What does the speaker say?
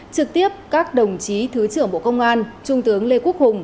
trực tiếp các đồng chí thứ trưởng bộ công an trung tướng lê quốc hùng